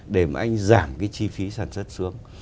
để mà anh giảm cái chi phí sản xuất xuống